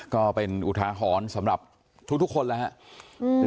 ก็เป็นอุทาหรณ์สำหรับทุกคนแล้วครับ